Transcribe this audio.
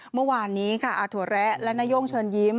เมื่อวานนี้ค่ะอาถั่วแระและนาย่งเชิญยิ้ม